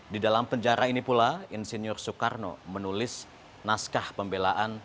di dalam penjara ini pula insinyur soekarno menulis naskah pembelaan